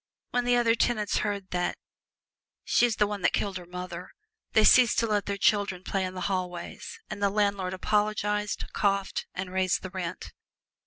When the other tenants heard that "she's the one that killed her mother," they ceased to let their children play in the hallways, and the landlord apologized, coughed, and raised the rent.